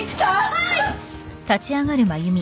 はい！